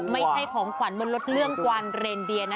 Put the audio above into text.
ไม่ใช้ของขวัญเตือนเรืองไวน์